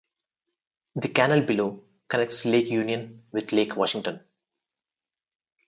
The canal below connects Lake Union with Lake Washington.